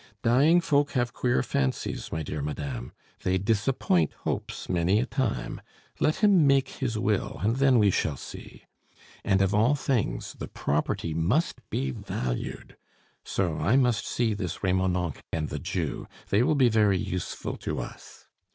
"Dying folk have queer fancies, my dear madame; they disappoint hopes many a time. Let him make his will, and then we shall see. And of all things, the property must be valued. So I must see this Remonencq and the Jew; they will be very useful to us.